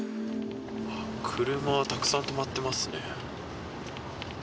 車たくさん止まっていますね。